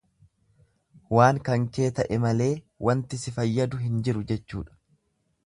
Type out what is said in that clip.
Waan kan kee ta'e malee wanti si fayyadu hin jiru jechuudha.